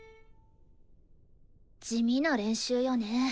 地味な練習よね。